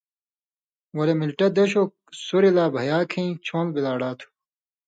ولے مِلٹہ دش اوک سُریۡ لا بھیا کھیں چھون٘ل بِلاڑا تُھو۔